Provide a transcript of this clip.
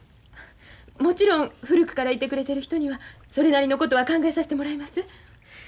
もちろん古くからいてくれてる人にはそれなりのことは考えさしてもらいます。